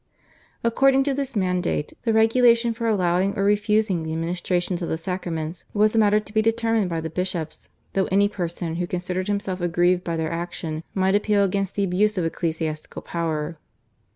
According to this mandate the regulation for allowing or refusing the administrations of the sacraments was a matter to be determined by the bishops, though any person who considered himself aggrieved by their action might appeal against the abuse of ecclesiastical power.